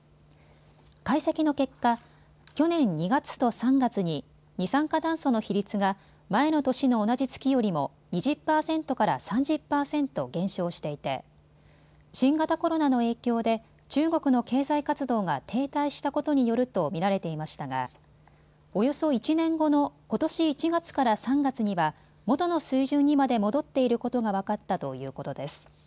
解析の結果、去年２月と３月に二酸化炭素の比率が前の年の同じ月よりも２０％から３０％減少していて新型コロナの影響で中国の経済活動が停滞したことによると見られていましたがおよそ１年後のことし１月から３月には元の水準にまで戻っていることが分かったということです。